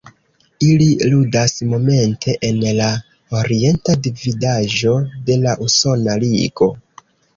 Ili ludas momente en la Orienta Dividaĵo de la Usona Ligo.